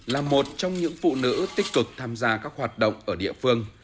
là một trong những phụ nữ tích cực tham gia các hoạt động ở địa phương